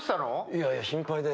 いやいや心配で。